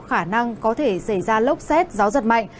khả năng có thể xảy ra lốc xét gió giật mạnh